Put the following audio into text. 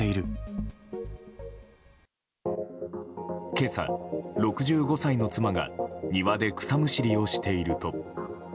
今朝、６５歳の妻が庭で草むしりをしていると。